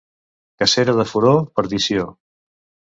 Cacera de furó, perdició.